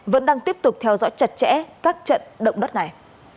vẫn đang tiếp tục theo dõi chặt chẽ các trận động đất này